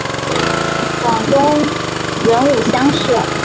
广东壬午乡试。